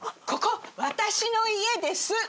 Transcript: ここ私の家です。